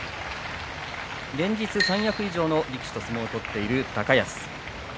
連日、三役以上の力士と相撲を取っている高安。